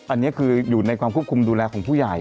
อันนี้คืออยู่ในความควบคุมดูแลของผู้ใหญ่